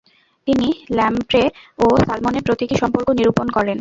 তিনি ল্যাম্প্রে ও সালমনের প্রতীকী সম্পর্ক নিরূপণ করেন।